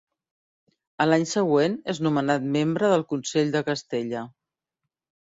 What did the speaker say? A l'any següent és nomenat membre del Consell de Castella.